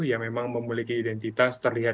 yang memang memiliki identitas terlihat